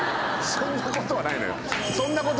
そんなことはないのよ！